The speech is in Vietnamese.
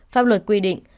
pháp luật quy định